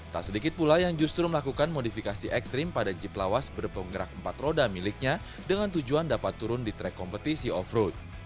tak sedikit pula yang justru melakukan modifikasi ekstrim pada jeep lawas berpenggerak empat roda miliknya dengan tujuan dapat turun di track kompetisi off road